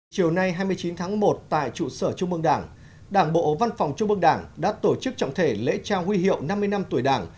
chiều nay hai mươi chín tháng một tại trụ sở trung mương đảng đảng bộ văn phòng trung mương đảng đã tổ chức trọng thể lễ trao huy hiệu năm mươi năm tuổi đảng